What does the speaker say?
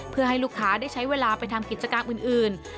เพื่อให้ลูกค้าได้ใช้เวลาไปทำกิจกรรมอื่น